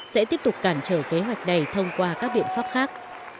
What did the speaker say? sẽ tiếp tục cản trở kế hoạch này thông qua các biện pháp khác